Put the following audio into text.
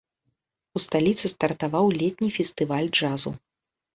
У сталіцы стартаваў летні фестываль джазу.